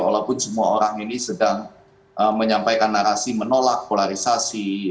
walaupun semua orang ini sedang menyampaikan narasi menolak polarisasi